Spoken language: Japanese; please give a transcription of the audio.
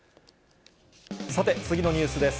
さて、次のニュースです。